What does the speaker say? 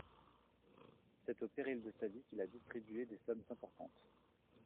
C’est au péril de sa vie qu’il a distribué des sommes importantes.